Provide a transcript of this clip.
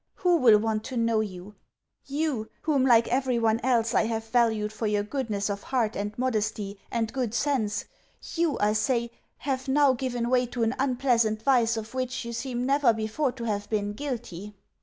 Who will want to know you? You whom, like everyone else, I have valued for your goodness of heart and modesty and good sense YOU, I say, have now given way to an unpleasant vice of which you seem never before to have been guilty.